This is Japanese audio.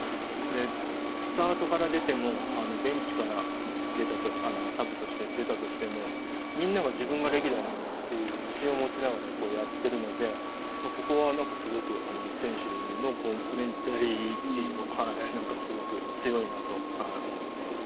スタートから出ても、ベンチからサブとして出たとしてもみんなが自分がレギュラーだと自信を持ちながらやっているので、そこはすごく選手のメンタリティーをすごく強いなと思っています。